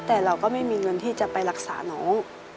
แต่เราก็ไม่มีเงินที่จะไปรักษาน้อง